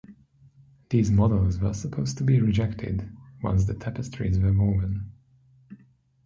These models were supposed to be rejected once the tapestries were woven.